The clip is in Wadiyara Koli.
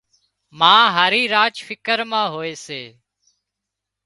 ما هارِي راچ فڪر مان هوئي سي